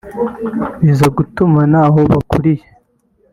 biza gutuma naho bakuriye